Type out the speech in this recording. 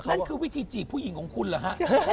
นั่นคือวิธีจีบผู้หญิงของคุณเหรอฮะ